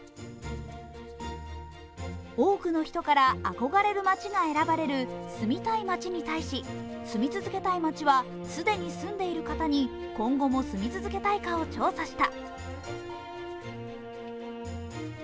多くの人から憧れる街が選ばれる住みたい街に対し住み続けたい街は既に住んでいる方に今後も住み続けたいかを調査した。